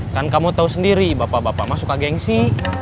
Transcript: kan kamu tahu sendiri bapak bapak mah suka gengsi